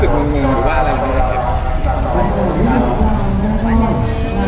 แต่ลุงสึกวังหรือว่าอะไรแบบนี้แทบ